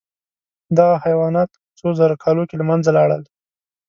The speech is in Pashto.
دغه حیوانات په څو زرو کالو کې له منځه لاړل.